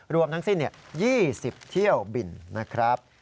รวมทั้งสิ้น๒๐เที่ยวบินนะครับ